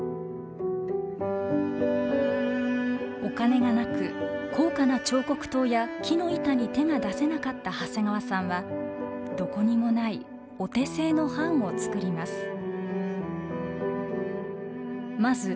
お金がなく高価な彫刻刀や木の板に手が出せなかった長谷川さんはどこにもないお手製の版を作ります。